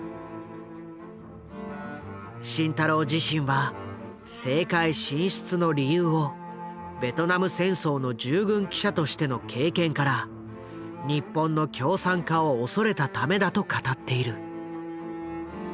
慎太郎自身は政界進出の理由をベトナム戦争の従軍記者としての経験から日本の共産化を恐れたためだと語っている。